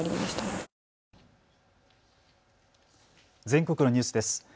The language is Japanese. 全国のニュースです。